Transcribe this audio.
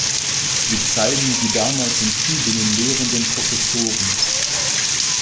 Sie zeigen die damals in Tübingen lehrenden Professoren.